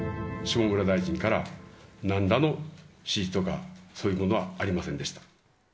下村大臣からなんらの指示とか、そういうものはありませんでした。